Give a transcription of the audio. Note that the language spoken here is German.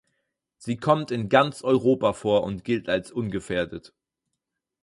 Sie kommt in ganz Europa vor und gilt als ungefährdet.